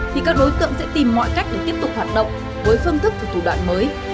thì các đối tượng sẽ tìm mọi cách để tiếp tục hoạt động với phương thức và thủ đoạn mới